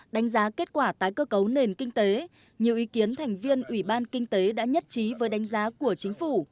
đánh giá kết quả tái cơ cấu nền kinh tế nhiều ý kiến thành viên ủy ban kinh tế đã nhất trí với đánh giá của chính phủ